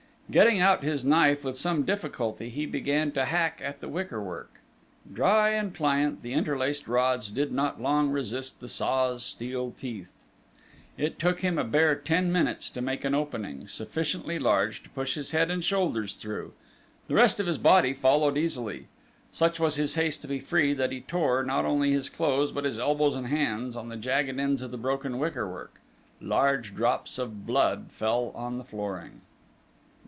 Getting out his knife with some difficulty, he began to hack at the wickerwork. Dry and pliant, the interlaced rods did not long resist the saw's steel teeth. It took him a bare ten minutes to make an opening, sufficiently large to push his head and shoulders through: the rest of his body followed easily. Such was his haste to be free, that he tore, not only his clothes, but his elbows and hands, on the jagged ends of the broken wickerwork: large drops of blood fell on the flooring.